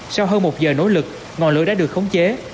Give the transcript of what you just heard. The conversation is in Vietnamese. sau hơn một giờ nỗ lực ngọn lửa đã được khống chế